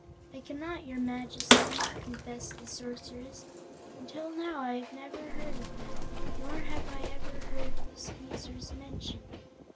"I cannot, your Majesty," confessed the Sorceress. "Until now I never have heard of them, nor have I ever heard the Skeezers mentioned.